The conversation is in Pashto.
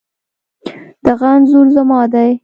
دغه انځور زما دی